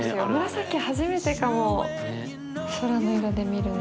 紫初めてかも空の色で見るの。